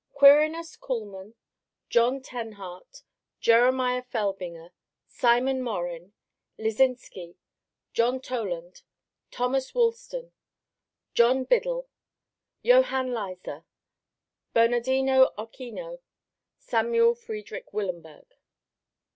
Quirinus Kuhlmann John Tennhart Jeremiah Felbinger Simon Morin Liszinski John Toland Thomas Woolston John Biddle Johann Lyser Bernardino Ochino Samuel Friedrich Willenberg.